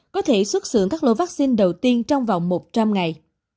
có thể xuất xưởng các lô vaccine đầu tiên trong vòng một trăm linh ngày